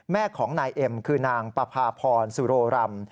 แม่ของนายเอ็มคือนางปภาพรสุโรรำ